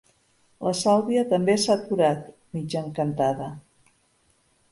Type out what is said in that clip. La Sàlvia també s'ha aturat, mig encantada.